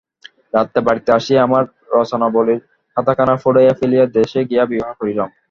রাত্রে বাড়িতে আসিয়া আমার রচনাবলীর খাতাখানা পুড়াইয়া ফেলিয়া দেশে গিয়া বিবাহ করিলাম।